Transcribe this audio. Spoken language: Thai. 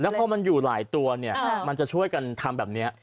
พอมันอยู่หลายตัวเนี่ยมันจะช่วยกันทำแบบนี้